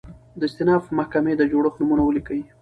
د استیناف محکمي د جوړښت نومونه ولیکئ؟